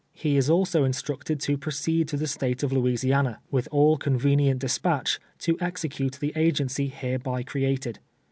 He is also instructed to proceed to the State of Louisiana ArPKXDix. 335 vnth all convenient disjiuU h, to execute the agency hereby ci'eated.